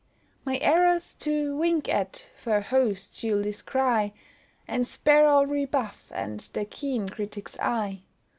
My errors do "wink at," for hosts you'll descry, And spare all rebuff, and the keen critic's eye.